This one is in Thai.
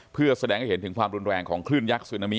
เพื่อแสดงให้เห็นถึงความรุนแรงของคลื่นยักษ์ซึนามิ